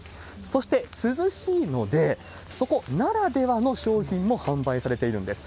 そして涼しいので、そこならではの商品も販売されているんです。